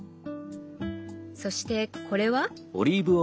そしてこれは？